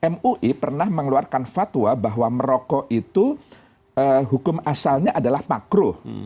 mui pernah mengeluarkan fatwa bahwa merokok itu hukum asalnya adalah makruh